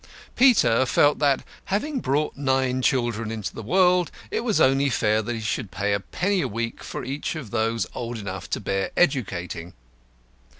Peter felt that, having brought nine children into the world, it was only fair he should pay a penny a week for each of those old enough to bear educating.